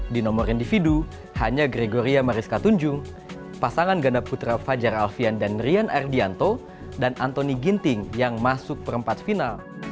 di nomor individu hanya gregoria mariska tunjung pasangan ganda putra fajar alfian dan rian ardianto dan antoni ginting yang masuk perempat final